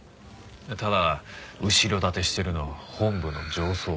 ただ後ろ盾してるのは本部の上層部。